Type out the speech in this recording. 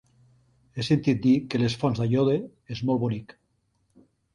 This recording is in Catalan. He sentit a dir que les Fonts d'Aiòder és molt bonic.